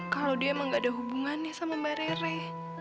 kalau dia emang gak ada hubungannya sama mbak rere